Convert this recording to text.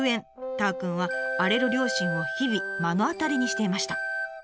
たーくんは荒れる両親を日々目の当たりにしていました。